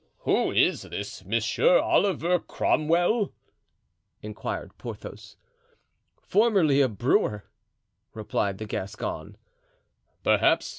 "Who is this Monsieur Oliver Cromwell?" inquired Porthos. "Formerly a brewer," replied the Gascon.